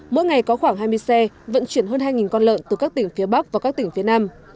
mỗi ngày có khoảng hai mươi xe vận chuyển hơn hai con lợn từ các tỉnh phía bắc và các tỉnh phía nam